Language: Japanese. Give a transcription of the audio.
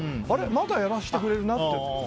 まだやらせてくれるなって。